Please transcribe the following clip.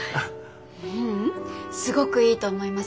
ううんすごくいいと思います。